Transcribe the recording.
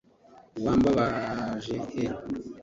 wababaje he